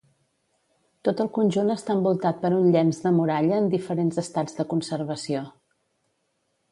Tot el conjunt està envoltat per un llenç de muralla en diferents estats de conservació.